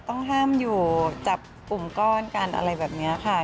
ต้องห้ามอยู่จับกลุ่มก้อนกันอะไรแบบนี้ค่ะ